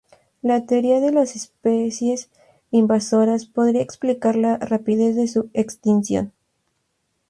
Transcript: La teoría de las especies invasoras podría explicar la rapidez de su extinción.